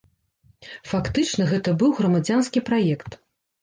Фактычна, гэта быў грамадзянскі праект.